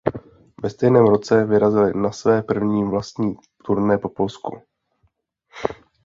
Ve stejném roce vyrazili na své první vlastní turné po Polsku.